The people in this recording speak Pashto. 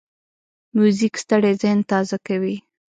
موزیک ستړی ذهن تازه کوي.